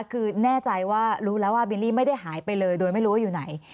คือแน่ใจว่ารู้แล้วว่าบิลลี่ไม่ได้หายไปเลยโดยไม่รู้ว่าอยู่ไหน